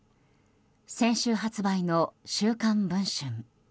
先週発売の「週刊文春」。